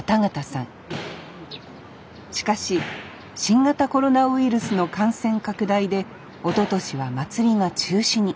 しかし新型コロナウイルスの感染拡大でおととしはまつりが中止に。